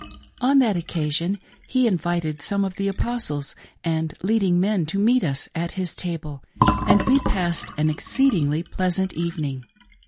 On that occasion he invited some of the Apostles and lead ing men to meet us at his table, and we passed an exceedingly pleasant evening!